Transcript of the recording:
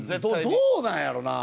どうなんやろうな？